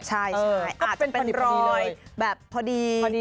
ใช่อาจจะเป็นรอยเลยแบบพอดี